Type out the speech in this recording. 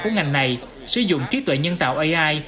của ngành này sử dụng trí tuệ nhân tạo ai